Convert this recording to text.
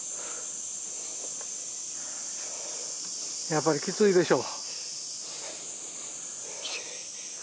やっぱりきついでしょ？